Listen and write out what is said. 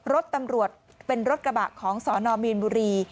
รถตำรวจเป็นรถกระบะของสนมีนบุรี